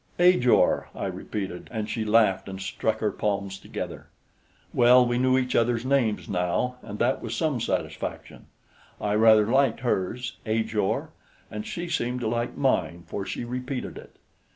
"Ajor!" I repeated, and she laughed and struck her palms together. Well, we knew each other's names now, and that was some satisfaction. I rather liked hers Ajor! And she seemed to like mine, for she repeated it.